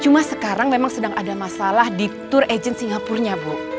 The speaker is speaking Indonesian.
cuma sekarang memang sedang ada masalah di tour agency singapurnya bu